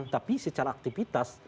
tapi secara aktivitas